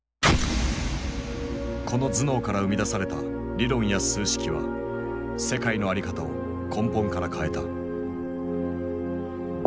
この頭脳から生み出された理論や数式は世界の在り方を根本から変えた。